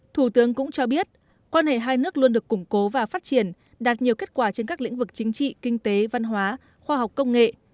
thủ tướng cũng cho biết quan hệ hai nước luôn được củng cố và phát triển đạt nhiều kết quả trên các lĩnh vực chính trị kinh tế văn hóa khoa học công nghệ